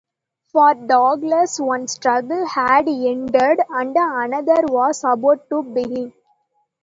For Douglas one struggle had ended and another was about to begin.